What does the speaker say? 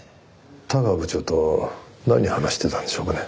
田川部長と何話してたんでしょうかね。